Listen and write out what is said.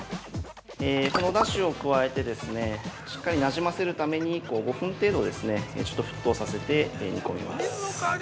◆このお出汁を加えてしっかりなじませるために５分程度、ちょっと沸騰させて煮込みます。